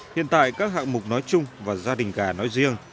hiện tại các hạng mục nói chung và gia đình gà nói riêng